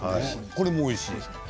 これもおいしいですか？